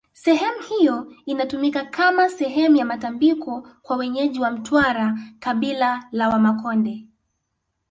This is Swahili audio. sehemu hiyo inatumika kama sehemu ya matambiko kwa wenyeji wa mtwara kabila la wamakonde